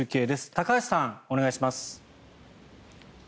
高橋さん、お願いします。